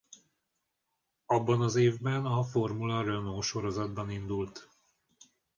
Abban az évben a Formula Renault sorozatban indult.